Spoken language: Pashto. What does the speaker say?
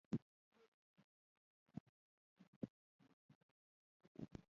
د ژوند هدفونه او ارمانونه د اسلام په لارښوونو سره سم وټاکئ.